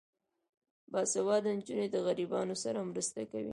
باسواده نجونې د غریبانو سره مرسته کوي.